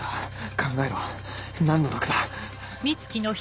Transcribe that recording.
考えろ何の毒だ？